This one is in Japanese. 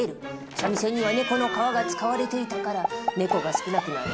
三味線には猫の皮が使われていたから猫が少なくなる。